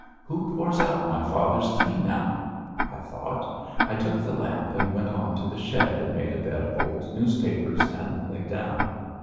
"Who pours out my father's tea now?" I thought. I took the lamp and went on to the shed and made a bed of old newspapers and lay down.